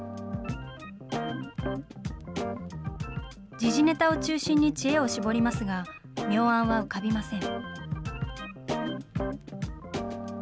時事ネタを中心に知恵を絞りますが、妙案は浮かびません。